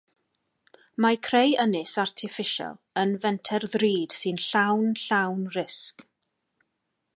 Mae creu ynys artiffisial yn fenter ddrud sy'n llawn llawn risg.